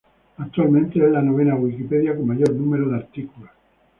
Actualmente es la novena Wikipedia con mayor número de artículos.